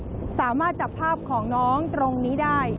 ถ้าเกิดสายสมาธิจับภาพของน้องตรงนี้ได้